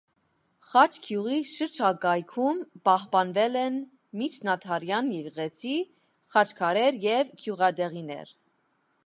Խաչգյուղի շրջակայքում պահպանվել են միջնադարյան եկեղեցի, խաչքարեր և գյուղատեղիներ։